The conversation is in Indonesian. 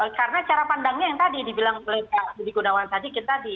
karena cara pandangnya yang tadi dibilang oleh pak judi gunawan tadi